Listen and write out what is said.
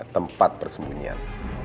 hanya tempat persemunyian